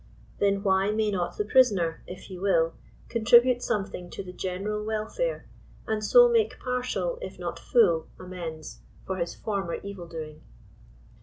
Then why may not the prisoner, if he will, contribute something to the general welfare, and so make partial, if not full, amends for his former evil doing?